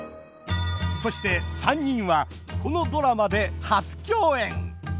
そして３人はこのドラマで初共演！